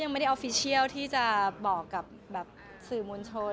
ไม่ได้ออฟฟิเชียลที่จะบอกกับสื่อมวลชน